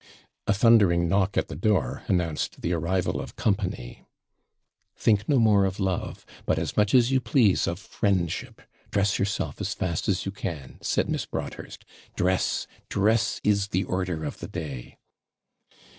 A thundering knock at the door announced the arrival of company. 'Think no more of love, but as much as you please of friendship dress yourself as fast as you can,' said Miss Broadhurst. 'Dress, dress is the order of the day.'